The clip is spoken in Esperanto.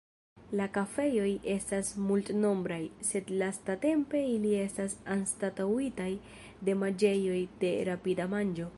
La kafejoj estas multnombraj, sed lastatempe ili estas anstataŭitaj de manĝejoj de rapida manĝo.